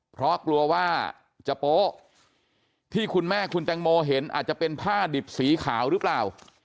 เพราะกลัวว่าจะโป๊ะที่คุณแม่คุณแตงโมเห็นอาจจะเป็นผ้าดิบสีขาวหรือเปล่า